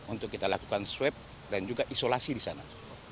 untuk kita lakukan swab dan juga isolasi di sana